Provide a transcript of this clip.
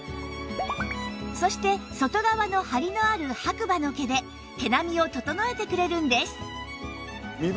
そして外側のハリのある白馬の毛で毛並みを整えてくれるんです